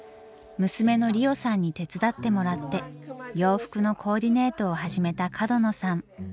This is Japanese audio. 娘のりおさんに手伝ってもらって洋服のコーディネートを始めた角野さん。